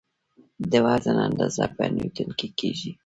د وزن اندازه په نیوټن کې کېږي.